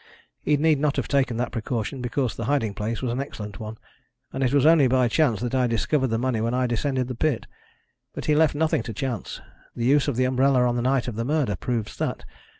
He need not have taken that precaution, because the hiding place was an excellent one, and it was only by chance that I discovered the money when I descended the pit. But he left nothing to chance. The use of the umbrella on the night of the murder proves that.